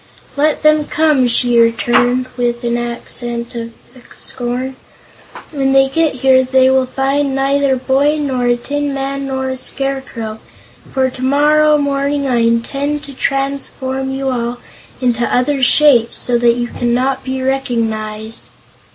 "Let them come," she returned, with an accent of scorn. "When they get here they will find neither a boy, nor a tin man, nor a scarecrow, for tomorrow morning I intend to transform you all into other shapes, so that you cannot be recognized."